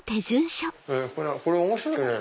これ面白いね。